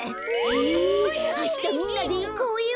えあしたみんなでいこうよ！